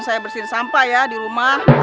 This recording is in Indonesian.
saya bersihin sampah ya di rumah